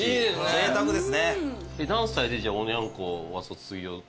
ぜいたくですね。